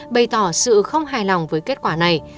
bày tỏ sự không hài lòng với kết quả này